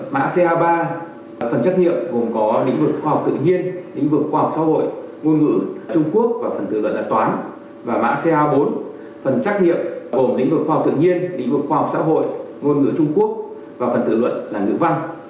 mã ca hai phần trắc nghiệm thì gồm có lĩnh vực khoa học tự nhiên lĩnh vực khoa học xã hội ngôn ngữ anh và phần tự luận là ngữ văn